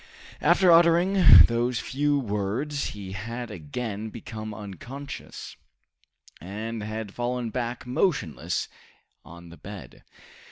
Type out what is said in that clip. After uttering those few words he had again become unconscious, and had fallen back motionless on the bed.